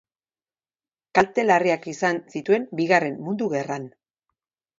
Kalte larriak izan zituen Bigarren Mundu Gerran.